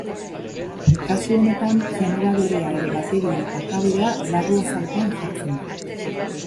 Kasu honetan, generadorea edo bateria eta kablea larruazalpean jartzen da.